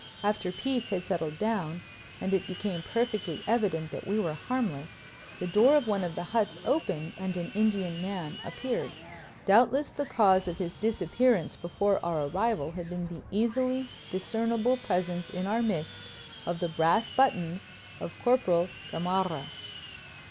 After peace had settled down and it became perfectly evident that we were harmless, the door of one of the huts opened and an Indian man appeared. Doubtless the cause of his disappearance before our arrival had been the easily discernible presence in our midst of the brass buttons of Corporal Gamarra.